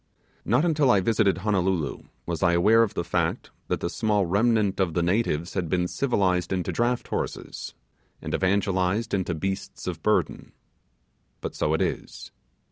Not until I visited Honolulu was I aware of the fact that the small remnant of the natives had been civilized into draught horses; and evangelized into beasts of burden. But so it is.